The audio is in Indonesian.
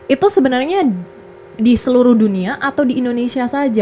itu sebenarnya di seluruh dunia atau di indonesia saja